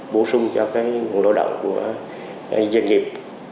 bổ sung cho nguồn lao động của doanh nghiệp